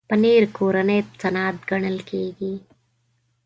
پنېر کورنی صنعت ګڼل کېږي.